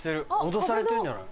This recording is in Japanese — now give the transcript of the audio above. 脅されてんじゃない？